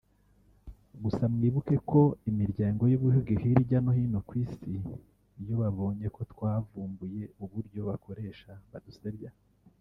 gusa mwibuke ko imiryango n’ibihugu hirya no hino ku Isi iyo babonye ko twavumbuye uburyo bakoresha badusebya